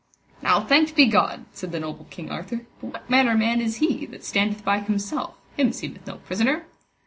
Now thanked be God, said the noble King Arthur. But what manner man is he that standeth by himself, him seemeth no prisoner.